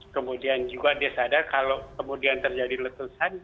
kemudian juga dia sadar kalau kemudian terjadi letusan